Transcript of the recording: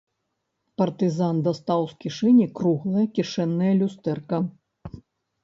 Партызан дастаў з кішэні круглае кішэннае люстэрка.